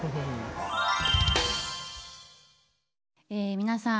皆さん